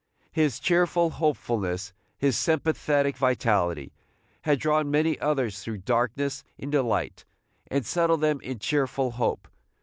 His cheerful hopefulness, his sympathetic vitality, had drawn many others through darkness into light, and settled them in cheerful hope.